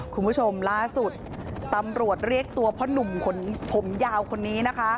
คุณผู้ชมล่าสุดตำรวจเรียกตัวพ่อหนุ่มผมยาวคนนี้นะคะ